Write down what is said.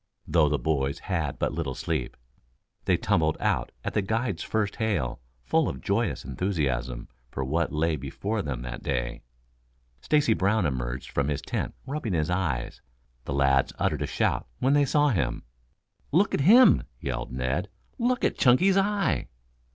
Though the boys had but little sleep, they tumbled out at the guide's first hail, full of joyous enthusiasm for what lay before them that day. Stacy Brown emerged from his tent rubbing his eyes. The lads uttered a shout when they saw him. "Look at him!" yelled Ned. "Look at Chunky's eye!"